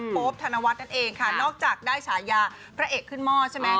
โป๊บธนวัฒน์นั่นเองค่ะนอกจากได้ฉายาพระเอกขึ้นหม้อใช่ไหม